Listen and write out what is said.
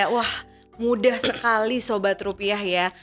wah mudah sekali sobat rupiah ya